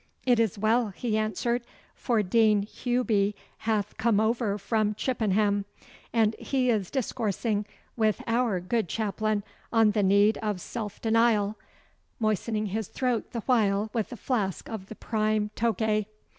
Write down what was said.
'It is well,' he answered, 'for Dean Hewby hath come over from Chippenham, and he is discoursing with our good chaplain on the need of self denial, moistening his throat the while with a flask of the prime Tokay.